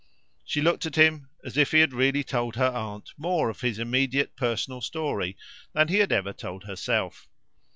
She looked at him as if he had really told her aunt more of his immediate personal story than he had ever told herself.